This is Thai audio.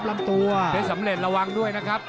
ไม่สำเร็จระวังด้วยนะครับ